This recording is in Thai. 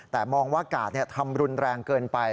แต่มองว่ากาดทำรุนแรงเกินไป